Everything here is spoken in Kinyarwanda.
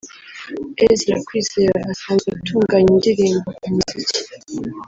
Ezra Kwizera asanzwe atunganya indirimbo umuziki